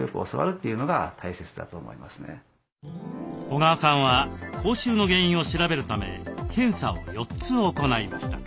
小川さんは口臭の原因を調べるため検査を４つ行いました。